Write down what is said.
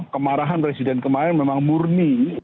kemarahan presiden kemarin memang murni